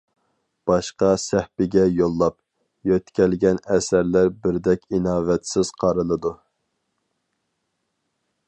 باشقا سەھىپىگە يوللاپ، يۆتكەلگەن ئەسەرلەر بىردەك ئىناۋەتسىز قارىلىدۇ.